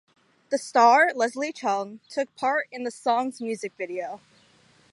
The star, Leslie Cheung, took part in the song's music video.